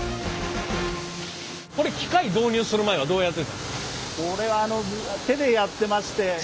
これ機械導入する前はどうやってた？